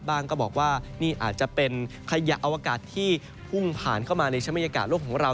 ก็บอกว่านี่อาจจะเป็นขยะอวกาศที่พุ่งผ่านเข้ามาในชั้นบรรยากาศโลกของเรา